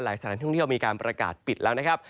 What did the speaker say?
สถานท่องเที่ยวมีการประกาศปิดแล้วนะครับ